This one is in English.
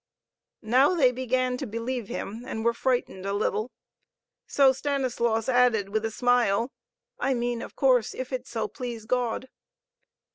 Now they began to believe him and were frightened a little. So Stanislaus added, with a smile, "I mean, of course, if it so please God."